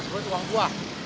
sebuah uang buah